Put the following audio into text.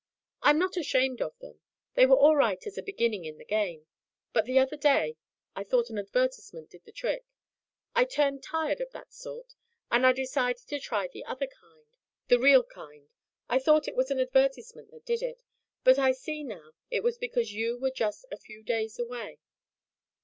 I'm not ashamed of them; they were all right as a beginning in the game. But the other day I thought an advertisement did the trick I turned tired of that sort, and I decided to try the other kind the real kind. I thought it was an advertisement that did it but I see now it was because you were just a few days away."